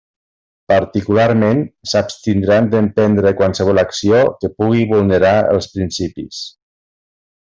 Particularment s'abstindran d'emprendre qualsevol acció que pugui vulnerar els principis.